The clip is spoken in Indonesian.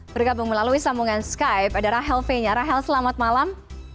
bergabung melalui sambungan skype ada rahel fenya rahel selamat malam